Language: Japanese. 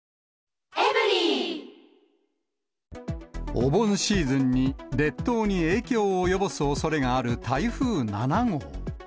お盆シーズンに列島に影響を及ぼすおそれがある台風７号。